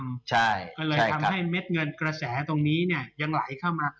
ใช่ก็เลยทำให้เม็ดเงินกระแสตรงนี้เนี่ยยังไหลเข้ามา